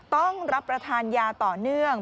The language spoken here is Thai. ต้องรับประทานยาต่อเนื่อง